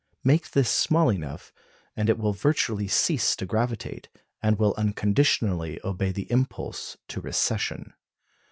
Make this small enough, and it will virtually cease to gravitate, and will unconditionally obey the impulse to recession.